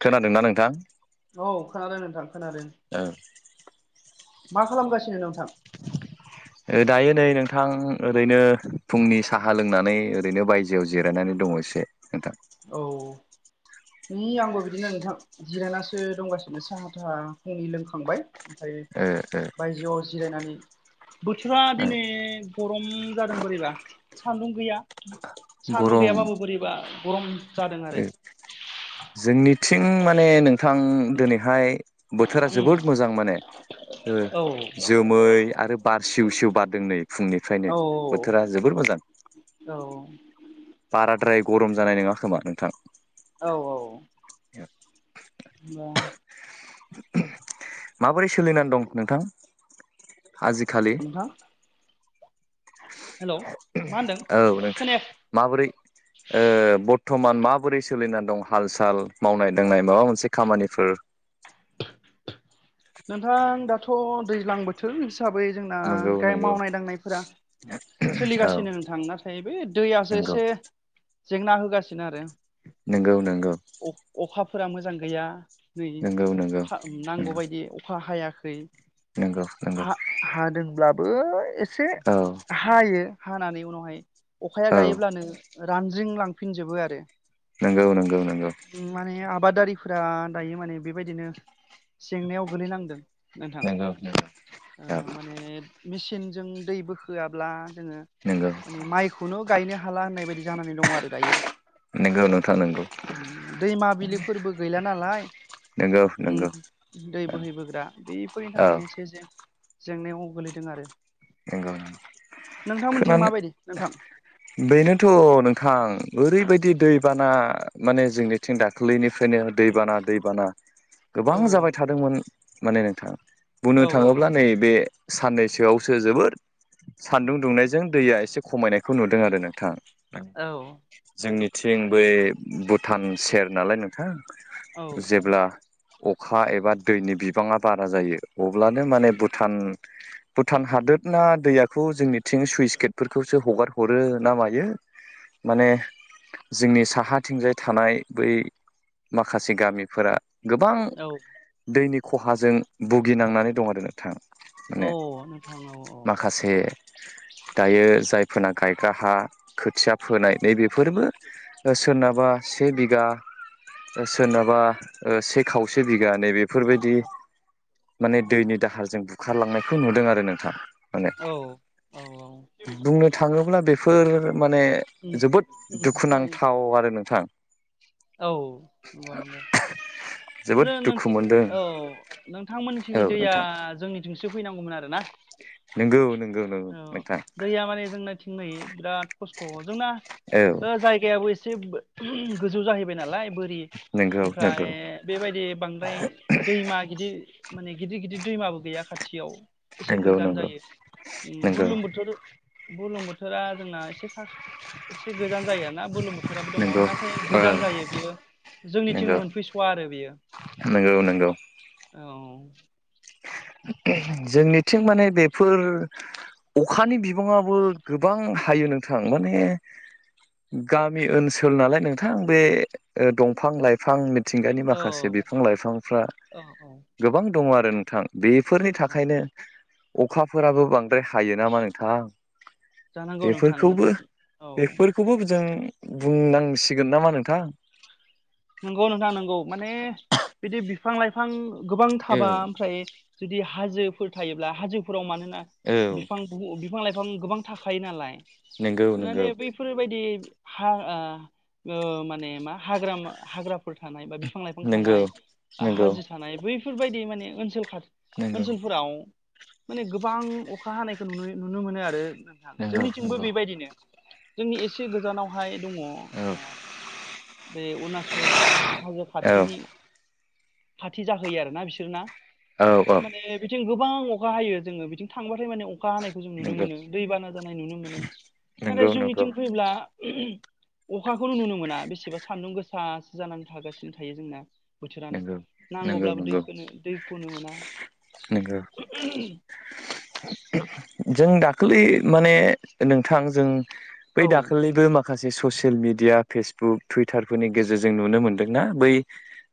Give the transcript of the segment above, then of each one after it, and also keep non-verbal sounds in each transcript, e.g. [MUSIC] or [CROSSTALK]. खोनादोंना नोंथां औ खोनादों नोंथां खोनादों मा खालामगासिनो नोंथां दायो नै नोंथां ओरैनो फुंनि साहा लोंनानै ओरैनो बायजोआव जिरायनानै दङ एसे नोंथां औ नै आंबो बिदिनो नोंथां जिरायनासो दंगासिनो साहाथाहा फुंनि लोंखांबाय ओमफ्रायो ओ ओ बायजोआव जिरायनानै बोथोरा ओ दिनै गरम जादों बोरैबा सान्दुं गैया सान्दुं गरम गैयाबाबो बोरैबा गरम जादों आरो जोंनिथिं माने नोंथां दोनैहाय बोथोरा उम जोबोद मोजां माने ओ औ जोमै आरो बार सिव सिव बारदों नै फुंनिफ्रायनो बोथोरा जोबोर मोजां औ बाराद्राय गरम जानाय नङा खोमा नोंथां औ औ बा माबोरै सोलिनानै दं नोंथां आजिखालि थां मा होनदों औ नोंथ खोनाया माबोरै ओ बरथ'मान माबोरै सोलिना दं हाल साल मावनाय-दांनाय माबा मोनसे खामानिफोर नोंथां दाथ' दैज्लां बोथोर हिसाबै जोंना नंगौ नंगौ मावनाय-दांनायफोरा औ सोलिगासिनो नोंथां नाथाय बे दैयासो नंगौ एसे जेंना होगासिनो आरो नोंगौ नोंगौ अ अखाफोरा मोजां गैया नै नंगौ नंगौ नांगौबायदि अखा हायाखै नोंगौ नोंगौ हा हादोंब्लाबो ए औ हायो हानानै उनावहाय अखाया औ गायोब्लानो रानज्रिं लांफिनजोबो आरो नोंगौ नोंगौ नोंगौ माने आबादारिफोरा दायो माने बेबायदिनो जेंनायाव गोलैनांदों नोंथां नंगौ नंगौ ओ औ माने मेसिनजों दै बोखोआब्ला जोङो नंगौ माने माइखौनो गायनो हाला होननाय बायदि जानानै दङ' आरो दायो नंगौ नोंथां नंगौ दैमा बिलिफोरबो गैला नालाय नंगौ ओम नंगौ बोहैबोग्रा बेफोरनि औ थाखायनो एसे एसे जेंनायाव गोलैदों आरो नंगौ नोंथांमोनथिं खोनानो माबायदि नोंथां? बेनोथ' नोंथां ओरैबायदि दैबाना माने जोंनि थिं दाख्लैनिफ्रायनो दैबाना दैबाना [INAUDIBLE] गोबां जाबाय थादोंमोन माने नोंथां बुंनो औ थाङोब्ला नैबे साननैसोआव सो जोबोद सानदुं दुंनायजों दैया एसे खमायनायखौ नुदों आरो नोंथां औ जोंनिथिं बै भुटान सेर नालाय औ नोंथां जेब्ला अखा एबा दैनि बिबाङा बारा जायो अब्लानो माने भुटान भुटान हादोदना दैयाखौ जोंनिथिं सुइस गेटफोरखौसो हगार हरो ना मायो माने जोंनि साहाथिंजाय थानाय बै माखासे गामिफोरा गोबां औ दैनि ख'हाजों भुगिनांनानै दं आरो नोंथां माने औ नोंथां औ औ माखासे दायो जायफोरना गायग्रा हा खोथिया फोनाय नैबेफोरबो सोरनाबा से बिघा सोरनाबा से खावसे बिघ न बे बेफोरबायदि हाब माने दैनि दाहारजों बुखारलांनायखौ नुदों आरो नोंथां माने औ औ औ बुंनो थाङोब्ला बेफोर माने उम जोबोद उम थाबायो दुखुनांथाव आरो नोंथां औ ग न ग जोबोद जों दुखु मोनदों औ औ नोंथांमोननिथिंनि दैया नोंथां जोंनिथिंसो फैनांगौमोन आरो ना नोंगौ नोंगौ औ दैया माने जोंनाथिं नाय बिराद खस्थ' जोंना औ जायगायाबो एसे गोजौ जाहैबाय नालाय बोरि नंगौ ओमफ्राय नंगौ बेबायदि बांद्राय दैमा गिदिर माने गिदिर गिदिर दैमाबो गैया खाथियाव नंगौ नंगौ नंगौ बुरलुं बुथुर बुरलुं बोथुरा जोंना एसेखा एसे गोजान जायो ना बुरलुं बुथुराबो दङ नंगौ नाथाय ओ गोजान जायो बियो जोंनिथिं नंगौ मोनफैस'वा आरो बियो नंगौ नंगौ औ जोंनिथिं माने बेफोर अखानि बिबाङाबो गोबां हायो नोंथां माने गामि ओनसोल नालाय नोंथां बे दंफां लाइफां बिफां मिथिंगानि औ माखासे बिफां लाइफांफ्रा औ औ गोबां दङ आरो नोंथां बेफोरनि औ थाखायनो अखाफोराबो बां द्र हायो नामा जानांगौ नोंथां नोंथां औ नोंथांफोरखौ खौबो जों बुंनांसिगोन नामा नोंथां नंगौ नोंथां नंगौ माने बिदि बिफां लाइफां गोबां औ थाबा ओमफ्राय जुदि हाजोफोर थायोब्ला हाजोफोराव मानो होना औ बिफां बिफां लाइफां गोबां थाखायो नालाय नंगौ नंगौ माने बै फोरबायदि माने मा हाग हाग्रा फोर थानाय बा बिफां लाइफां नंगौ थानाय बा नंगौ हाजो थानाय बैफोरबायदि माने ओनसोल खा नंगौ ओनसोलफोराव माने गोबां अखा हानायखौ नु नुनो मोनो आरो नोंथां नंगौ जोंनिथिंबो नंगौ बेबायदिनो जोंनि एसे गोजानाव हाय दङ औ बे अरुणाचल हाजो औ खाथिनि खाथि जाहोयो आरोना बिसोरना औ माने बिथिं गोबां अखा हायो जोङो बिथिं थांबाथाय माने अखा हानायखौ जों नुनो नंगौ मोनो दैबाना जानाय नुनो मोनो नाथाय नंगौ नंगौ जोंनिथिं फैयोब्ला अखाखौनो नुनो मोना बेसेबा सान्दुं गोसासो जानानै थागासिनो थायो जोंना बोथोरानो नंगौ नंगौ नांगौब्लाबो नंगौ दैखौनो दैखौनो मोना नंगौ जों दाखालि माने नोंथां जों बै औ दाखालिबो मा माखासे ससियेल मिडिया फेसबुक टुइटारफोरनि गेजेरजों नुनो मोन्दोंना बै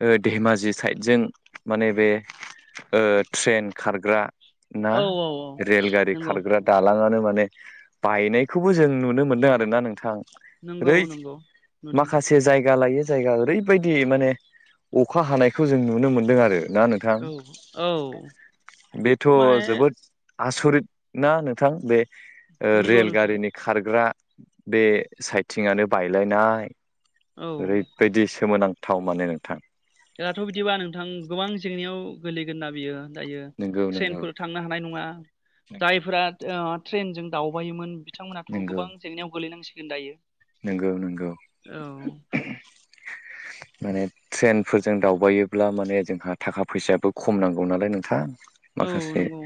धेमाजि साइडजों माने बे ट्रेन खारग्रा ना औ औ रेलगारि नंगौ खारग्रा दालाङानो माने बायनायखौबो जों नुनो मोनदों आरोना नोंथां नंगौ ओरै नंगौ नुदों माखासे जायगा लायो जायगा ओरैबायदि माने अखा हानायखौ जों नुनो मोनदों आरो ना थां औ औ बेथ' माने जोबोद आसरित ना नोंथां बे नंगौ नोंथां रेलगारिनि खारग्रा बे साइथिंनो बायलायनाय औ ओरै बिदि सोमोनांथाव माने नोंथां दाथ' बिदिबा नोंथां गोबां जेंनायाव गोगलैगोन बियो जायो नंगौ नंगौ ट्रेनफोर थांनो हानाय नंङा जायफोरा ट्रेनजों दावबायोमोन बिथांमोनाथ' नंगौ गोबां जेंनायाव गोलैनांसिगोन दायो नंगौ नंगौ औ [INAUDIBLE] माने ट्रेनफोरजों दावबायोब्ला माने जोंहा थाखा फैसायाबो खम नांगौ नालाय नोंथां औ माखासे नंगौ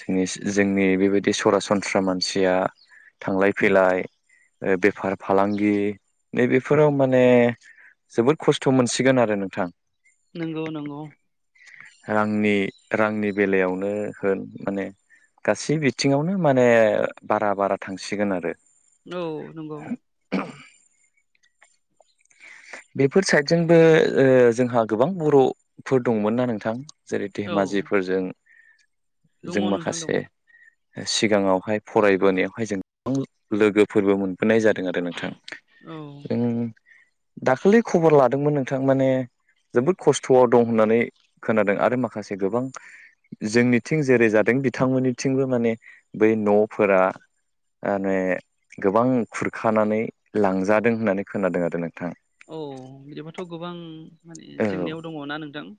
जोंनि जोंनि बेबायदि सरासनस्रा मानसिया थांलाय फैलाय बेफार फालांगि नैबेफोराव माने जोबोद खस्थ' मोनसिगोन आरो नोंथां नंगौ नंगौ रांनि रांनि बेलायावनो होन माने गासै बिथिंङावनो माने बारा बारा थांसिगोन आरो औ नंगौ बेफोर साइदजोंबो जोंहा गोबां बर'फोर दंमोन ना नोंथां जेरै औ धेमाजिफोरजों दङ जों नोंथां दङ माखासे सिगांङावहाय फरायबोनायावहाय जों गोबां लोगोफोरबो मोनोन होनाय जादों आरो नोंथां औ जों दाखालि खबर लादोंमोन नोंथां माने जोबोद खस्थ'आव दं होननानै खोनादों आरो माखासे गोबां जोंनिथिं जेरै जादों बिथांमोननिथिंबो माने बै न'फोरा माने गोबां खुरखानानै लांजादों होननानै खोनादों आरो नोंथां औ बिदिबाथ' गोबां माने जेंनायाव दंङोना नोंथां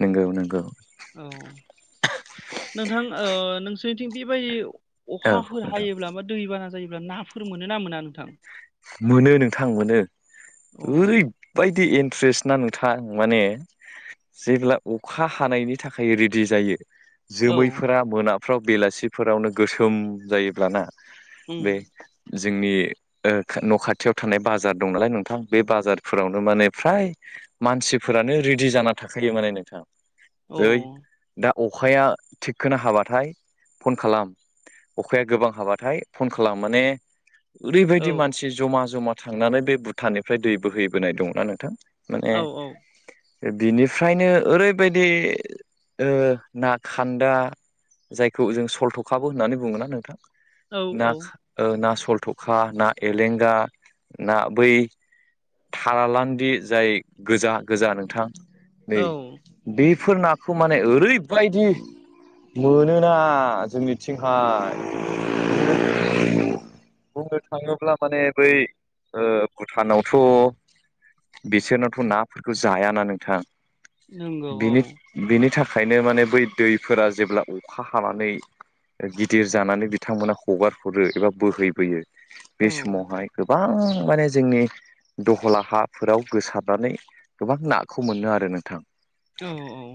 नोंगौ नंगौ औ नोंथां नोंसोरनिथिं बेबायदि औ अखाफोर नोंथां हायोब्ला बा दैबाना जायोब्ला नाफोर मोनोना मोना नोंथां मोनो नोंथां मोनो औ ओर बायदि इन्ट्रेस्ट ना नोंथां माने जेब्ला अखा हानायनि थाखाय रेडि जायो। औ जोमैफोरा मोनाफ्राव बेलासिफोरावनो गोसोम जायोब्लाना बे उम जोंनि न' खाथियाव थानाय बाजार दं नालाय नोंथां बे बाजारफोरावनो माने फ्राय मानसिफोरानो रेडि जाना थाखायो माने नोंथां औ जै दा अखाया थिखखनो हाबाथाय फन खालाम अखाया गोबां हाबाथाय फन खालाम माने ओरै औ बिदि मानसि जमा जमा थांनानै बे भुटाननिफ्राय दै बोहैबोनाय दंङो ना नोंथां माने औ औ बिनिफ्रायनो ओरैबायदि ना खान्दा जायखौ जों सलथ'खाबो होननानै बुंङोना नोंथां औ ना औ ना सलथ'खा ना एलेंगा ना बै थालालान्दि जाय गोजा गोजा नोंथां नै औ बेफोर नाखौ माने ओरैबायदि मोनोना जोंनिथिंहाय बुंनो थांङोब्ला माने बै भुटानावथ' बिसोरनावथ' नाफोरखौ जायाना नोंथां नंगौ औ बिनि बिनि थाखायनो माने बै दैफोरा जेब्ला अखा हानानै गिदिर जानानै बिथांमोना हगार हरो एबा बोहैबोयो बे औ समावहाय गोबां माने जोंनि दहला हाफोराव गोसारनानै गोबां नाखौ मोनो आरो नोंथां औ औ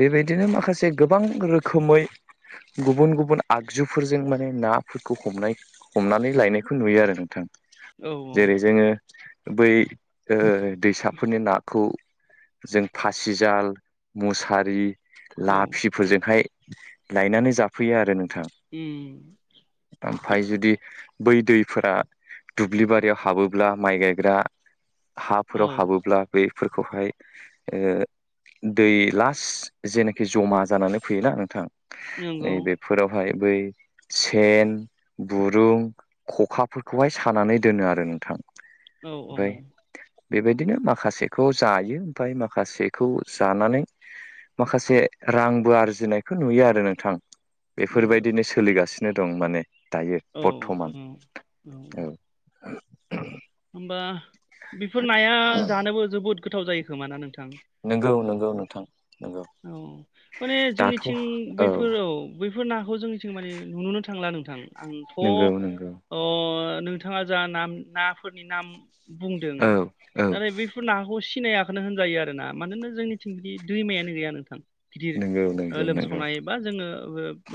बेबायदिनो माखासे गोबां रोखोमै गुबुन गुबुन आगजुफोरजों माने नाफोरखौ हमनाय हमनानै लायनाय बेखौ नुयो आरो नोंथां औ जेरै जोङो बै दैसाफोरनि नाखौ जों फासिजाल मुसारि औ लाफिफोरजोंहाय लायनानै जाफैयो आरो नोंथां उ ओमफ्राय जुदि बै दैफोरा दुब्लि बारियाव हाबोब्ला माइ गायग्रा औ हाफोराव हाबोब्ला बेफोरखौहाय दै लास्ट जेनाखि जमा जानानै फैयोना नोंथां नंगौ नै बेफोरावहाय बै सेन बुरुं खखाफोरखौहाय सानानै दोनो आरो नोंथां औ औ ओमफ्राय बेबायदिनो माखासेखौ जायो ओमफ्राय माखासेखौ जानानै माखासे रांबो आरजिनायखौ नुयो आरो नोंथां नंगौ बेफोरबायदिनो सोलिगासिनो दं माने दायो औ बर्थमान औ औ औ होमबा बेफोर नाया जानोबो जोबोद गोथाव जायो खोमा ना नोंथां नंगौ नंगौ नोंथां नंगौ औ माने दाथ' औ जोंनिथिं बैफोर औ बैफोर नाखौ जोंनिथिं माने नुुनोनो थांला नोंथां आंथ' नंगौ नंगौ अ नोंथाङा जा नाम नाफोरनि नाम बुंदों औ औ नाथाय बे बेफोर नाखौ सिनायाखोनो होनजायो आरोना मानोना जोंनिथिं बिदि दैमायानो गैया नोंथां गिदिर नंगौ नंगौ नंगौ लोमसावनाय बा जोङो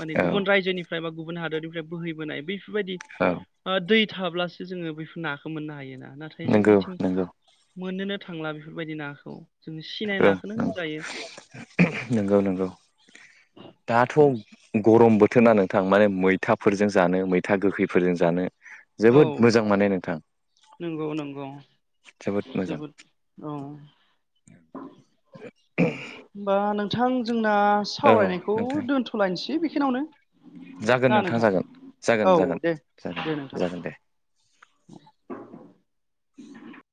माने औ गुबुन रायजोनि जायबा गुबुन हादरनिफ्राय बोहैबोनाय बैफोरबायदि औ दै थाब्लासो जोङो बेफोर नाखौ मोननो हायो ना नाथाय नंगौ जोंनिथिं नंगौ मोननोनो थांला बेफोरबायदि नाखौ जों औ सिनायलाखौनो होनजायो नंगौ नंगौ दाथ' गरम बोथोरा नोंथां माने मैथाफोरजों जानो मैथा गोखैफोरजों जानो औ जोबोद मोजां मोने नोंथां नंगौ नंगौ जोबोद औ [INAUDIBLE] होमबा नोंथां जोंना औ सावरायनायखौ नोंथां दोनथ'लायनोसै बेखिनिनावनो जागोन ना नोंथां जागोन जागोन औ जागोन दे जागोन दे नोंथां जागोन [INAUDIBLE]